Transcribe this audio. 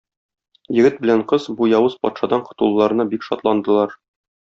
Егет белән кыз бу явыз патшадан котылуларына бик шатландылар.